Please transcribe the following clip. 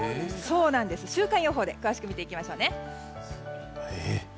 週間予報で詳しく見ていきましょう。